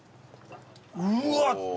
うわっ！